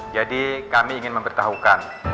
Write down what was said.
jadi kami ingin mempertahukan